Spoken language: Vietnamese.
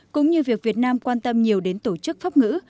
cũng như việc việt nam quan tâm nhiều đến tổ chức pháp ngữ